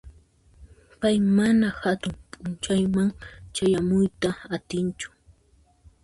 Pay mana hatun p'unchayman chayamuyta atinchu.